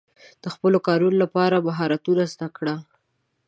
د خپلو کارونو لپاره مهارتونه زده کړئ.